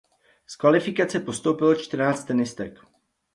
Z kvalifikace postoupilo čtrnáct tenistek.